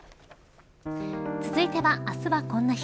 続いては、あすはこんな日。